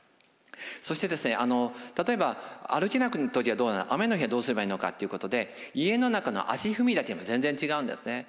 そして例えば歩けない時はどうなのか雨の日はどうすればいいのかということで家の中の足踏みだけでも全然違うんですね。